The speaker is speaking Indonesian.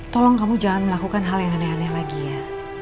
tolong kamu jangan melakukan hal yang aneh aneh lagi ya